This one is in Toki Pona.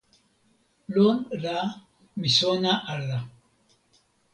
lon la mi sona ala.